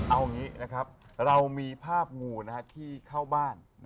เอาอย่างนี้นะครับเรามีภาพงูที่เข้าบ้าน